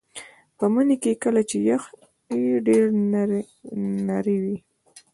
په مني کې کله چې یخ ډیر نری وي